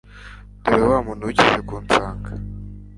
dore wa muntu wigeze kunsanga